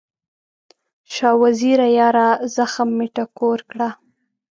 شاه وزیره یاره، زخم مې ټکور کړه